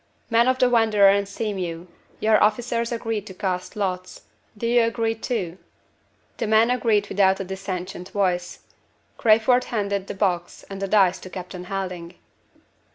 "Men of the Wanderer and Sea mew, your officers agree to cast lots. Do you agree too?" The men agreed without a dissentient voice. Crayford handed the box and the dice to Captain Helding.